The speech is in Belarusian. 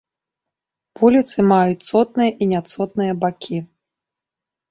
Вуліцы маюць цотныя і няцотныя бакі.